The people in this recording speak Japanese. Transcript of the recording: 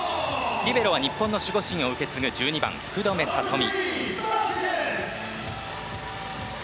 リベロは日本の守護神を受け継ぐ１２番、福留慧美。